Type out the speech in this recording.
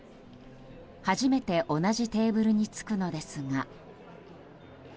初めて同じテーブルに着くのですが。